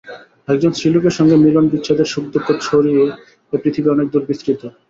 একজন স্ত্রীলোকের সঙ্গে মিলন-বিচ্ছেদের সুখদুঃখ ছাড়িয়ে এ পৃথিবী অনেক দূর বিস্তৃত।